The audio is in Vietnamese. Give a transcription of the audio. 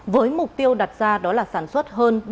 với mục tiêu đặt ra đó là sản xuất hơn